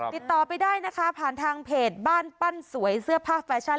ติดต่อไปได้นะคะผ่านทางเพจบ้านปั้นสวยเสื้อผ้าแฟชั่น